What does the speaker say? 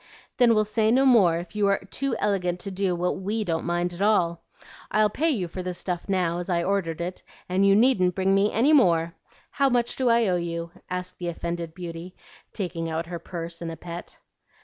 "Then we'll say no more if you are too elegant to do what WE don't mind at all. I'll pay you for this stuff now, as I ordered it, and you needn't bring me any more. How much do I owe you?" asked the offended beauty, taking out her purse in a pet.